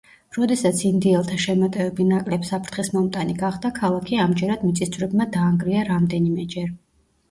როდესაც ინდიელთა შემოტევები ნაკლებ საფრთხის მომტანი გახდა, ქალაქი ამჯერად მიწისძვრებმა დაანგრია რამდენიმეჯერ.